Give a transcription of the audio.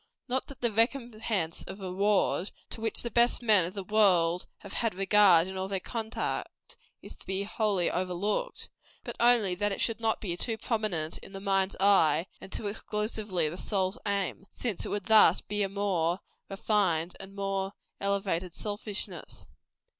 Not that "the recompense of reward," to which the best men of the world have had regard in all their conduct, is to be wholly overlooked, but only that it should not be too prominent in the mind's eye, and too exclusively the soul's aim; since it would thus be but a more refined and more elevated selfishness.